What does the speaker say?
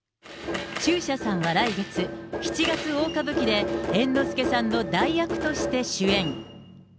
中車さんは来月、七月大歌舞伎で猿之助さんの代役として主演。